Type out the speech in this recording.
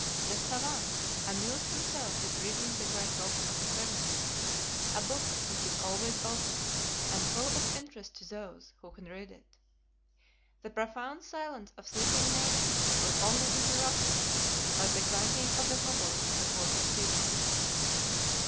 The SAVANT amused himself with reading the great book of the firmament, a book which is always open, and full of interest to those who can read it. The profound silence of sleeping nature was only interrupted by the clanking of the hobbles on the horses' feet.